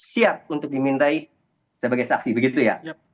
siap untuk dimintai sebagai saksi begitu ya